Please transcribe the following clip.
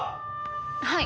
はい。